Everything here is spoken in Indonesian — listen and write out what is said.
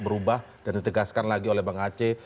berubah dan ditegaskan lagi oleh bang aceh